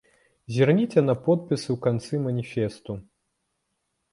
Зірніце на подпісы ў канцы маніфесту.